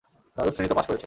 দ্বাদশ শ্রেণি তো পাশ করেছো।